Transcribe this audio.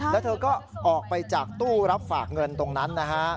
แล้วเธอก็ออกไปจากตู้รับฝากเงินตรงนั้นนะฮะ